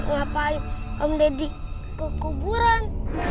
ngapain om deddy kekuburan